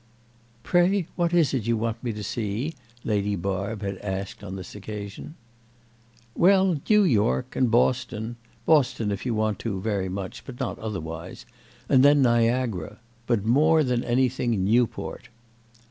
"Pray what is it you want me to see?" Lady Barb had asked on this occasion. "Well, New York and Boston (Boston if you want to very much, but not otherwise), and then Niagara. But more than anything Newport."